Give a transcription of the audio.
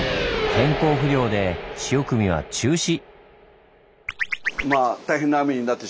天候不良で潮汲みは中止！